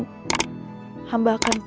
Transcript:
terima kasih bu